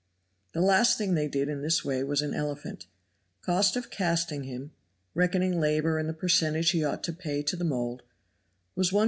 The last thing they did in this way was an elephant. Cost of casting him, reckoning labor and the percentage he ought to pay to the mold, was 1s.